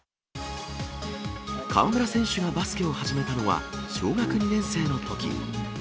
河村選手がバスケを始めたのは、小学２年生のとき。